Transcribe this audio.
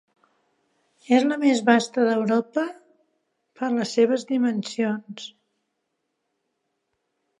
És la més vasta d'Europa per les seves dimensions.